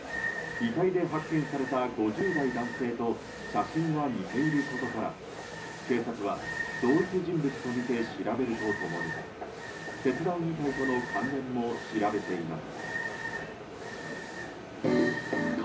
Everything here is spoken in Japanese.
遺体で発見された５０代男性と写真が似ていることから警察は同一人物とみて調べると共に切断遺体との関連も調べています。